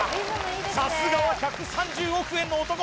さすがは１３０億円の男